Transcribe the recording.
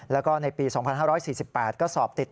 แล้วก็ในปี๒๕๔๘ก็สอบติด